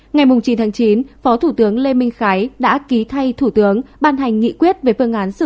ngày chín tháng chín phó thủ tướng lê minh khái đã ký thay thủ tướng ban hành nghị quyết về phương án xử